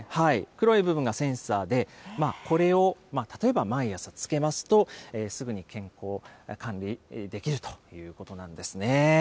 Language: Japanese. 黒い部分がセンサーで、これを例えば毎朝つけますと、すぐに健康管理できるということなんですね。